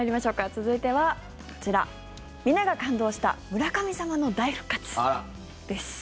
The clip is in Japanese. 続いてはこちら、皆が感動した村神様の大復活です。